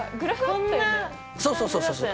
そうそうそうそうそう。